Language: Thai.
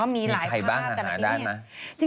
มีใครบ้างหาได้ไหม